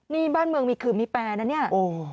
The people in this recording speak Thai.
นี่บ้านเมืองมีขื่อมีแปรนะเนี่ย